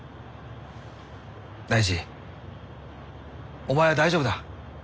大志お前は大丈夫だ！